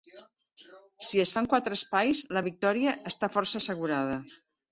Si es fan quatre espais, la victòria està força assegurada.